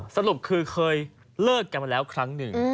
สรุปคือเคยเลิกกันมาแล้วครั้งหนึ่ง